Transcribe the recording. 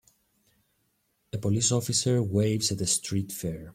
A police officer waves at a street fair.